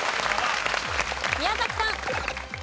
宮崎さん。